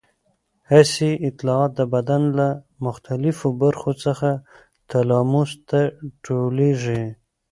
حسي اطلاعات د بدن له مختلفو برخو څخه تلاموس ته ټولېږي.